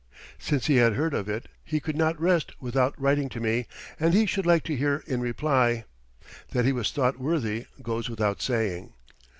Since he had heard of it he could not rest without writing to me, and he should like to hear in reply. That he was thought worthy goes without saying.